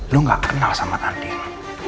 lo gak kenal sama tardil